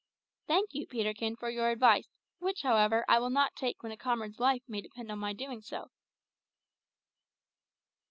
"Thank you, Peterkin, for your advice, which, however, I will not take when a comrade's life may depend on my doing so."